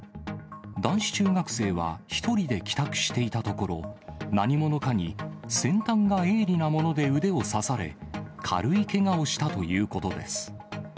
男子中学生は１人で帰宅していたところ、何者かに、先端が鋭利なもので腕を刺され、軽いけがをしたということです。